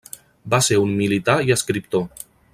Va ser un militar i escriptor.